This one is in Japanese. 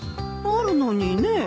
あるのにね。